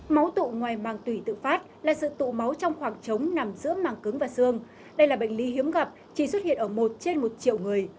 máu tụ ngoài màng tủy tự phát là sự tụ máu trong khoảng trống nằm giữa màng cứng và xương đây là bệnh lý hiếm gặp chỉ xuất hiện ở một trên một triệu người